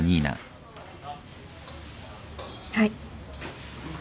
はい。